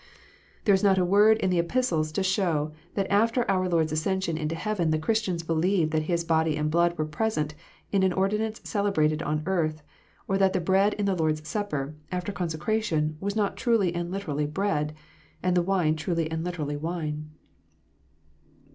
There is not a word in the Epistles to show that after our Lord s ascension into heaven the Christians believed that His body and blood were present in an ordinance celebrated on earth, or that the bread in the Lord s Supper, after consecration, was not truly and literally bread, and the wine truly and liter ally wine.